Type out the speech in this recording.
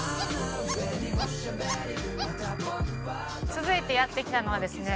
続いてやって来たのはですね